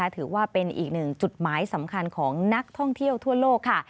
ถือว่าเป็นอีกหนึ่งจุดหมายสำคัญของนักท่องเที่ยวทั่วโลกค่ะ